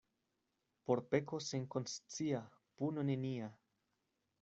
Por peko senkonscia puno nenia.